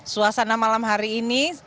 suasana malam hari ini